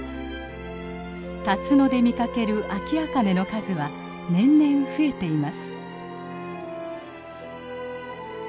たつので見かけるアキアカネの数は年々増えています。